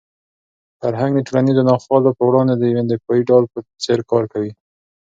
فرهنګ د ټولنیزو ناخوالو په وړاندې د یوې دفاعي ډال په څېر کار کوي.